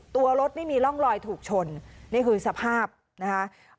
ตัวรถไม่มีร่องรอยถูกชนนี่คือสภาพนะคะ